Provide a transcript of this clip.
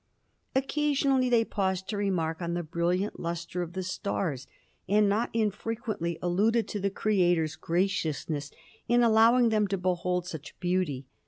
Occasionally they paused to remark on the brilliant lustre of the stars, and, not infrequently, alluded to the Creator's graciousness in allowing them to behold such beauty.